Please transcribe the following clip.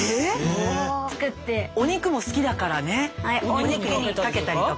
お肉にかけたりとか？